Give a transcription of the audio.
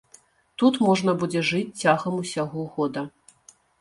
Тут можна будзе жыць цягам усяго года.